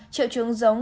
triệu chứng giống